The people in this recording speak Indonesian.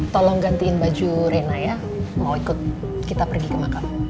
tolong gantiin baju rena ya mau ikut kita pergi ke makam